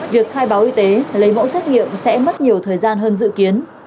việc khai báo y tế lấy mẫu xét nghiệm sẽ mất nhiều thời gian hơn dự kiến